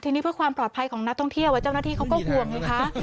ทีนี้เพื่อความปลอดภัยของนักท่องเที่ยวเจ้าหน้าที่เขาก็ห่วงไงคะ